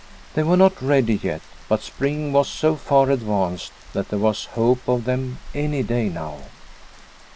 They were not ready yet, but spring was so far advanced that there was hope of them any day now.